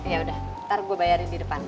yaudah ntar gue bayarin di depan